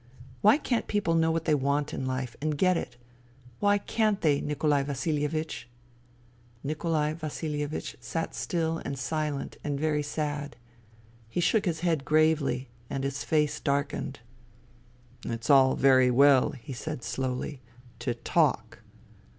Why can't people know what they want in life and get it ? Why can't they, Nikolai Vasilievich ?" Nikolai Vasilievich sat still and silent and very sad. He shook his head gravely and his face darkened. " It's all very well," he said slowly, " to talk.